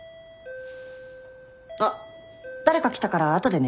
・あっ誰か来たから後でね。